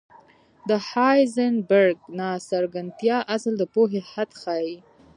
د هایزنبرګ ناڅرګندتیا اصل د پوهې حد ښيي.